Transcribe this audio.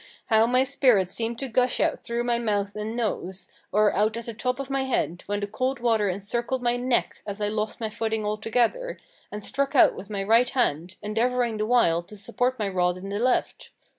how my spirit seemed to gush out through my mouth and nose, or out at the top of my head, when the cold water encircled my neck as I lost my footing altogether, and struck out with my right hand, endeavouring the while to support my rod in the left!